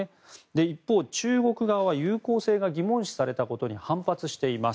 一方、中国側は有効性が疑問視されたことに反発しています。